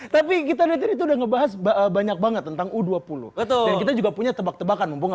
tapi kita udah ngebahas banyak banget tentang u dua puluh betul juga punya tebak tebakan membawa